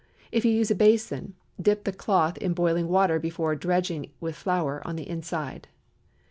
If you use a basin, dip the cloth in boiling water before dredging with flour on the inside.